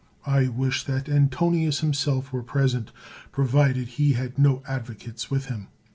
I wish that Antonius himself were present, provided he had no advocates with him.